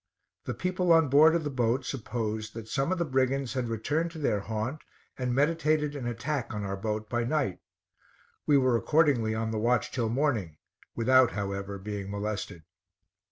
The people on board of the boat supposed that some of the brigands had returned to their haunt and meditated an attack on our boat by night. We were accordingly on the watch till morning, without, however, being molested.